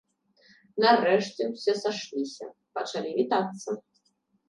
Нарэшце ўсе сышліся, пачалі вітацца.